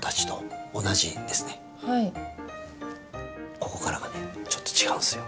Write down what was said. ここからがねちょっと違うんですよ。